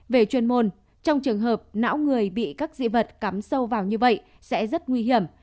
về chuyên môn trong trường hợp não người bị các dị vật cắm sâu vào như vậy sẽ rất nguy hiểm